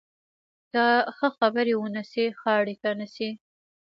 که ښه خبرې ونه شي، ښه اړیکې نشي